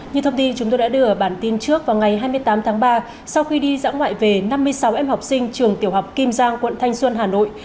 như thông tin chúng tôi đã đưa ở bản tin trước vào ngày hai mươi tám tháng ba sau khi đi dã ngoại về năm mươi sáu em học sinh trường tiểu học kim giang quận thanh xuân hà nội